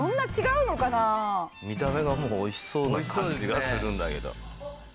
見た目がもう美味しそうな感じがするんだけど。